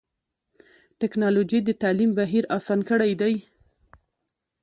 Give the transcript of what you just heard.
ټکنالوجي د تعلیم بهیر اسان کړی دی.